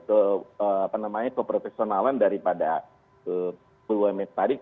ke apa namanya keprofesionalan daripada bumn tadi